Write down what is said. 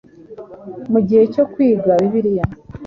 Mu gihe cyo kwiga Bibiliya,